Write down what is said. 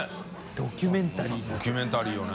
ドキュメンタリーよね。